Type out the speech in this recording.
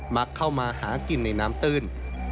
มักเข้ามาหากินในน้ำตื้น